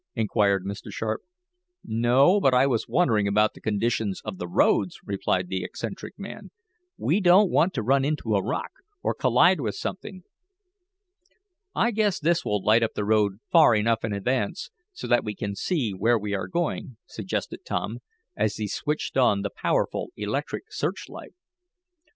inquired Mr. Sharp. "No, but I was wondering about the condition of the roads," replied the eccentric man. "We don't want to run into a rock, or collide with something." "I guess this will light up the road far enough in advance, so that we can see where we are going," suggested Tom, as he switched on the powerful electric search light.